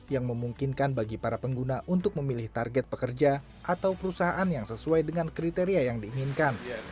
yang memungkinkan bagi para pengguna untuk memilih target pekerja atau perusahaan yang sesuai dengan kriteria yang diinginkan